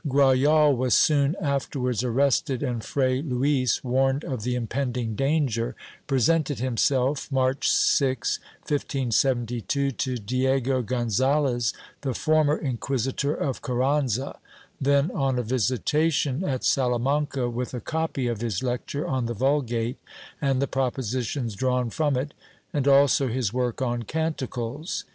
Grajal was soon after wards arrested and Fray Luis, warned of the impending danger, presented himself, March 6, 1572, to Diego Gonzalez, the former inquisitor of Carranza, then on a visitation at Salamanca, with a copy of his lecture on the Vulgate and the propositions drawn from it, and also his work on Canticles.